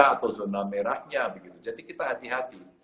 atau zona merahnya begitu jadi kita hati hati